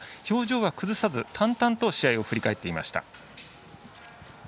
表情は崩さず、淡々と試合を振り返っていました。